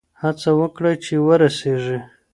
هڅه وکړئ چي ورسېږئ.